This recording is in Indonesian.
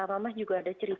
mama juga ada cerita